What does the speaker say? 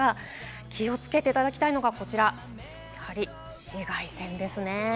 気をつけていただきたいのがこちら、紫外線です。